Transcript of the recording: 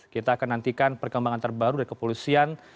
kita akan nantikan perkembangan terbaru dari kepolisian